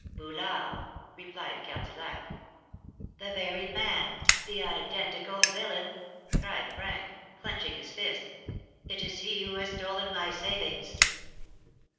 "Boulard," replied Cardillac. "The very man! The identical villain!" cried Frank, clenching his fists. "It is he who has stolen my savings!"